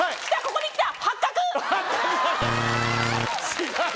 違う！